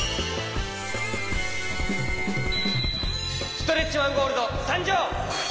ストレッチマンゴールドさんじょう！